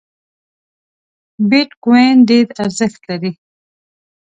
بیټ کواین ډېر ارزښت لري